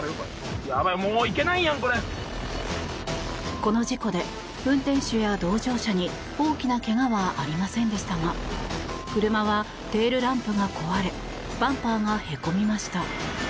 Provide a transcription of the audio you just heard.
この事故で運転手や同乗者に大きなけがはありませんでしたが車はテールランプが壊れバンパーがへこみました。